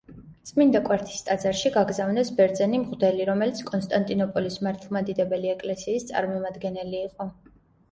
წმინდა კვართის ტაძარში გაგზავნეს ბერძენი მღვდელი, რომელიც კონსტანტინოპოლის მართლმადიდებელი ეკლესიის წარმომადგენელი იყო.